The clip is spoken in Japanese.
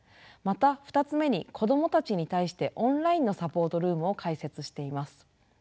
また２つ目に子どもたちに対してオンラインのサポートルームを開設しています。